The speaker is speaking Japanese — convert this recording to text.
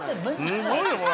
すごいねこれ。